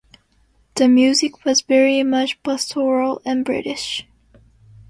The music was very much pastoral and British.